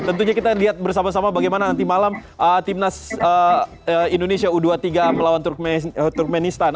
tentunya kita lihat bersama sama bagaimana nanti malam timnas indonesia u dua puluh tiga melawan turkmenistan